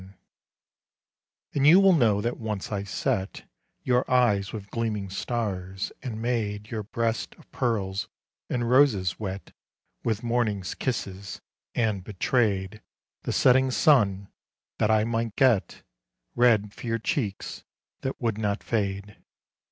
79 EPITHALAMIUM And you will know that once I set Your eyes with gleaming stars, and made Your breasts of pearls and roses wet With morning's kisses, and betrayed The setting sun that I might get Red for your cheeks that would not fade.